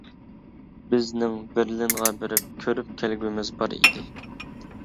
بىزنىڭ بېرلىنغا بېرىپ كۆرۈپ كەلگۈمىز بار ئىدى.